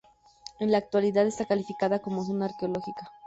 En la actualidad está calificado como zona arqueológica.